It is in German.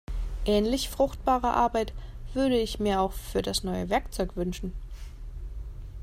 Ähnlich fruchtbare Arbeit würde ich mir auch für das neue Werkzeug wünschen.